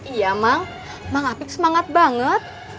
iya mak mak apip semangat banget